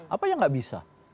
apa yang enggak bisa